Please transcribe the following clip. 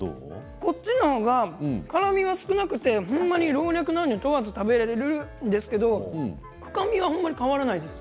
こっちの方が辛みが少なくて、ほんまに老若男女問わず食べられるんですけど深みは変わらないです。